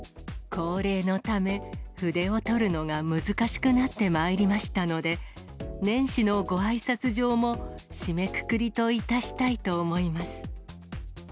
高齢のため、筆を執るのが難しくなってまいりましたので、年始のごあいさつ状も締めくくりといたしたいと思います。